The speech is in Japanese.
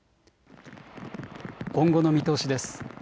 今後の見通しです。